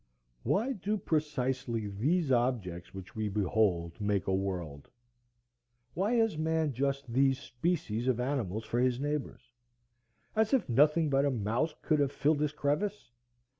Why do precisely these objects which we behold make a world? Why has man just these species of animals for his neighbors; as if nothing but a mouse could have filled this crevice?